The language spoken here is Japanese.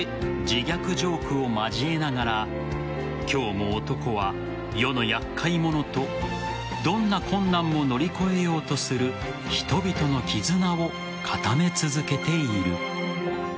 自虐ジョークを交えながら今日も男は世の厄介モノとどんな困難も乗り越えようとする人々の絆を固め続けている。